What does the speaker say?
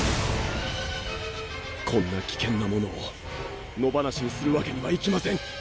こんな危険なものを野放しにする訳にはいきません！